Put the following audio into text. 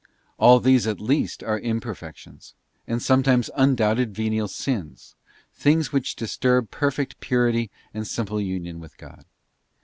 All these at least are imperfections, and sometimes undoubted venial sins; things which disturb per fect purity and simple union with God.